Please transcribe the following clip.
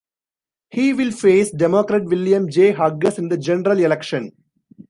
He will face Democrat William J. Hughes in the general election.